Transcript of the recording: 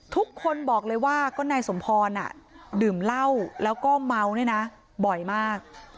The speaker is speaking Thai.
ทุกคนบอกเลยว่าก็นายสมพรดื่มเหล้าแล้วก็เมาเนี่ยนะบ่อยมาก